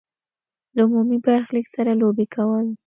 له عمومي برخلیک سره لوبې کول.